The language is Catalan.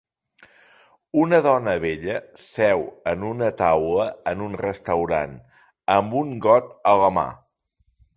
Una dona vella seu en una taula en un restaurant, amb un got a la mà.